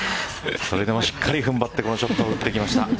それでもしっかり踏ん張ってこのショットを打ってきました。